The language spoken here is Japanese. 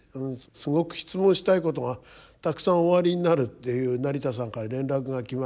すごく質問したいことがたくさんおありになるっていう成田さんから連絡が来まして。